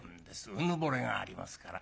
うぬぼれがありますから。